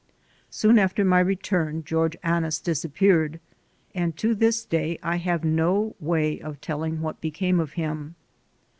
Soon after my return George Annis disap peared, and to this day I have no way of telling what became of him.